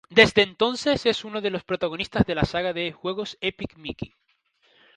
Desde entonces es uno de los protagonistas de la saga de videojuegos Epic Mickey.